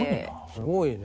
すごいね。